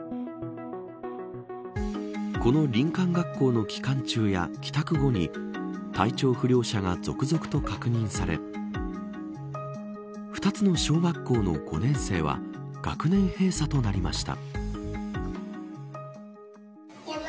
この林間学校の期間中や帰宅後に体調不良者が続々と確認され２つの小学校の５年生は学年閉鎖となりました。